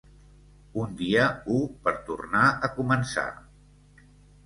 Un dia u per tornar a començar.